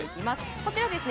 こちらですね